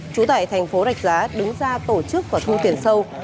chú tải tp rạch giá đứng ra tổ chức và thu tiền sâu